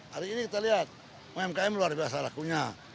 hari ini kita lihat umkm luar biasa lakunya